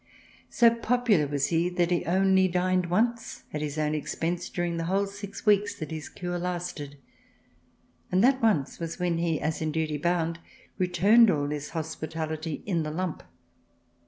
So popular was he that he only dined once at his own expense during the whole six weeks that his cure lasted, and that once was when he, as in duty bound, re turned all this hospitality in the lump.